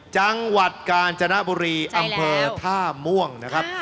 จังหวัดกาญจนบุรีอำเภอท่าม่วงนะครับ